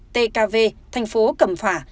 tkv thành phố cẩm phả